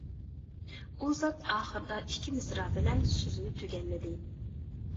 ئۇ زات ئاخىرىدا ئىككى مىسرا بىلەن سۆزىنى تۈگەللىدى.